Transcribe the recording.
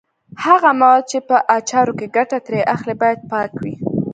هغه مواد چې په اچارو کې ګټه ترې اخلي باید پاک وي.